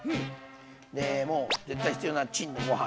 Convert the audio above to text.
でもう絶対必要なチンでご飯。